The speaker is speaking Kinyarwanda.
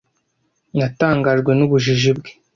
Natangajwe n'ubujiji bwe.